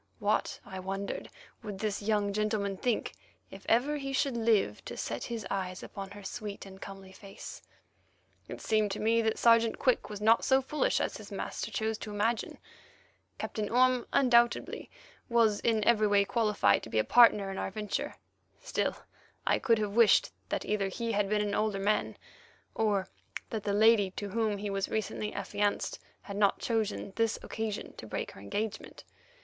What, I wondered, would this young gentleman think if ever he should live to set his eyes upon her sweet and comely face? It seemed to me that Sergeant Quick was not so foolish as his master chose to imagine. Captain Orme undoubtedly was in every way qualified to be a partner in our venture; still, I could have wished either that he had been an older man, or that the lady to whom he was recently affianced had not chosen this occasion to break her engagement.